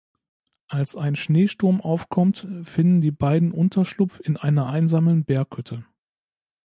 Als ein Schneesturm aufkommt finden die beiden Unterschlupf in einer einsamen Berghütte.